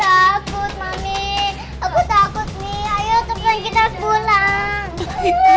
takut mami aku takut nih ayo tepung kita pulang